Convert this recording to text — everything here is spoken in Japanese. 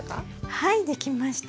はいできました。